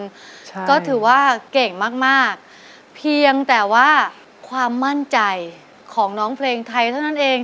ใช่ก็ถือว่าเก่งมากมากเพียงแต่ว่าความมั่นใจของน้องเพลงไทยเท่านั้นเอง